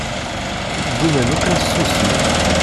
Gguman akk ad ssusmen.